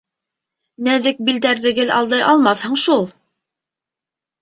Нәҙек билдәрҙе гел алдай алмаҫһың шул!